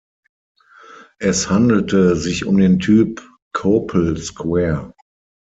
Es handelte sich um den Typ Copal Square.